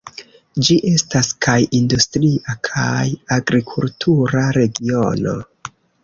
Ĝi estas kaj industria kaj agrikultura regiono.